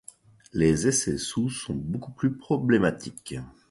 Les essais sous sont beaucoup plus problématiques.